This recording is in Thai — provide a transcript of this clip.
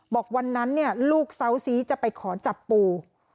บอกวันนั้นเนี่ยลูกเซาซีจะไปขอจับปู